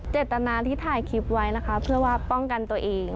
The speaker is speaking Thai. เจตนาที่ถ่ายคลิปไว้นะคะเพื่อว่าป้องกันตัวเอง